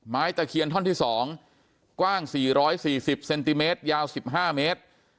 ตะเคียนท่อนที่๒กว้าง๔๔๐เซนติเมตรยาว๑๕เมตร